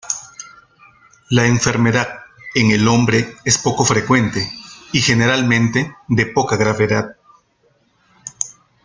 La enfermedad en el hombre es poco frecuente y generalmente de poca gravedad.